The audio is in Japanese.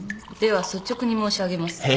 では率直に申し上げます。